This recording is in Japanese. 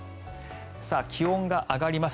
気温が上がります。